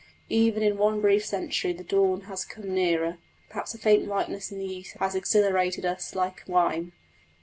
Even in one brief century the dawn has come nearer perhaps a faint whiteness in the east has exhilarated us like wine.